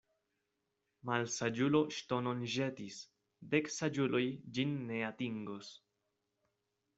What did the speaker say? Malsaĝulo ŝtonon ĵetis, dek saĝuloj ĝin ne atingos.